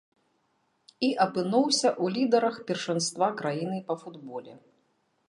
І апынуўся ў лідарах першынства краіны па футболе.